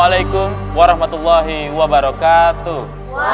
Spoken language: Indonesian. waalaikumsalam warahmatullahi wabarakatuh